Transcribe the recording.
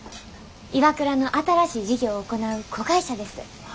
ＩＷＡＫＵＲＡの新しい事業を行う子会社です。